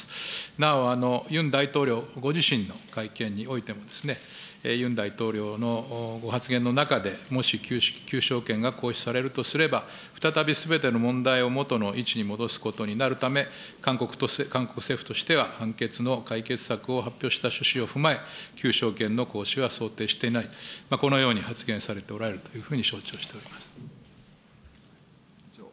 なお、ユン大統領ご自身の会見においても、ユン大統領のご発言の中で、もし求償権が行使されるとすれば、再びすべての問題を元の位置に戻すことになるため、韓国政府としては、判決の解決策を発表した趣旨を踏まえ、求償権の行使は想定していない、このように発言されておられるというふうに承知をしております。